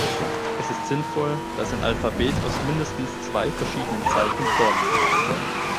Es ist sinnvoll, dass ein Alphabet aus mindestens zwei verschiedenen Zeichen vorliegt.